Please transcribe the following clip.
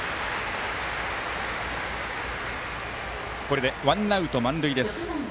これでワンアウト満塁。